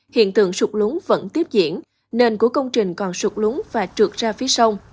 hiện tượng sụt lúng vẫn tiếp diễn nền của công trình còn sụt lúng và trượt ra phía sông